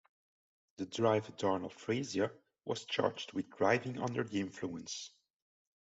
The driver, Darnell Frazier, was charged with driving under the influence.